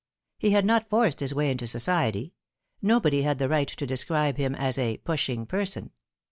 He had not forced his way into society ; nobody had the right to describe him as a pushing person.